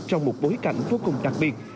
trong một bối cảnh vô cùng đặc biệt